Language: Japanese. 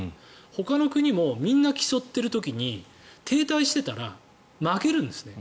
ほかの国もみんな競ってる時に停滞していたら負けるんですね。